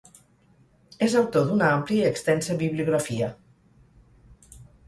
És autor d’una àmplia i extensa bibliografia.